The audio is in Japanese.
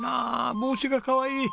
帽子がかわいい。